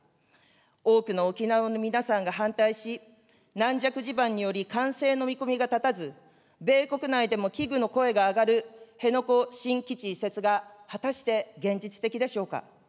多くの沖縄の皆さんが反対し、軟弱地盤により完成の見込みが立たず、米国内でも危惧の声が上がる辺野古新基地移設が果たして現実的でしょうか。